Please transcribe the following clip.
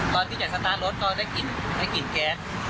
ตอนที่แข่งตอนที่จะสตาร์ทรสก็ได้กินแก๊ส